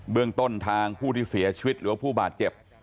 เรื่องต้นทางผู้ที่เสียชีวิตหรือว่าผู้บาดเจ็บ